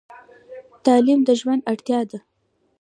تعلیم د ژوند اړتیا ده.